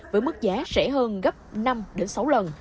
với mức giá rẻ hơn gấp năm sáu lần